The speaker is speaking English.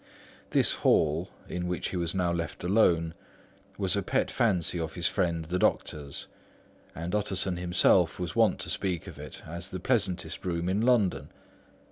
This hall, in which he was now left alone, was a pet fancy of his friend the doctor's; and Utterson himself was wont to speak of it as the pleasantest room in London.